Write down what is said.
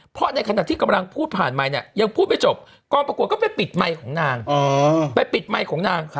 เพราะในขณะที่กำลังพูดผ่านใหม่เนี่ยยังพูดไม่จบกรณปรากฏก็ไปปิดไมค์ของนาง